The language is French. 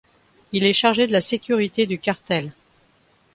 Il est chargé de la sécurité du cartel.